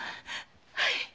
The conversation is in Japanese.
はい。